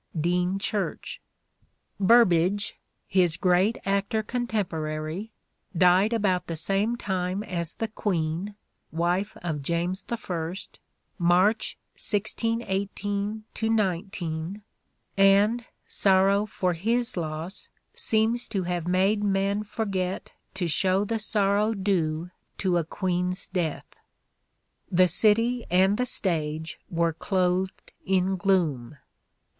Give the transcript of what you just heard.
(Dean Church.) Burbage, his great actor contemporary, died about the same time as the Queen (wife of James I), March 1618 9, and " sorrow for his loss seems to have made men forget to show the sorrow due to a Queen's death. The city and the stage were clothed in gloom